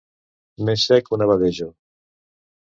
Més sec que un abadejo.